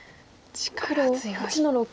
力強い。